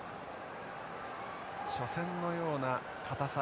初戦のような硬さ